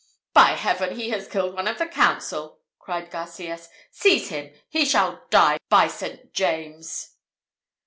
"By Heaven, he has killed one of the council!" cried Garcias. "Seize him! He shall die, by St. James!"